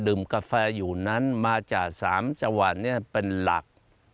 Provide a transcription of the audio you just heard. กาแฟอยู่นั้นมาจาก๓จังหวัดเป็นหลัก